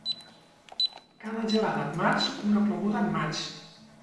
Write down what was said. Cada gelada en març, una ploguda en maig.